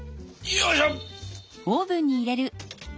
よいしょ。